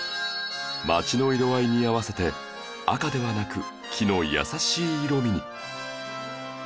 街の色合いに合わせて赤ではなく木の優しい色味に